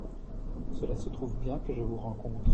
Cela se trouve bien que je vous rencontre.